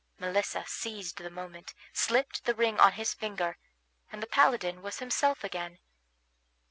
Melissa seized the moment, slipped the ring on his finger, and the paladin was himself again.